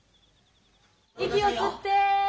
息を吸って。